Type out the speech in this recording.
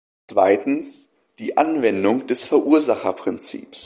Zweitens die Anwendung des Verursacherprinzips.